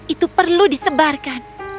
itu perlu disebarkan